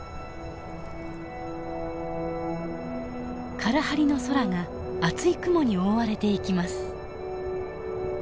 カラハリの空が厚い雲に覆われていきます。